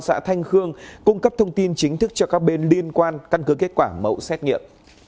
xã thanh khương cung cấp thông tin chính thức cho các bên liên quan căn cứ kết quả mẫu xét nghiệm